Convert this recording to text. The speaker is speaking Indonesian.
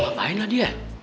kok ngapain lah dia